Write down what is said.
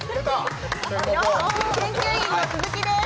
研究員の鈴木です。